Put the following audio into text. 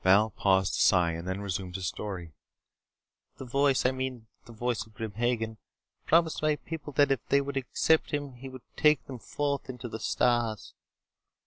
Val paused to sigh, and then resumed his story. "The voice I mean the voice of Grim Hagen promised my people that if they would accept him he would take them forth into the stars.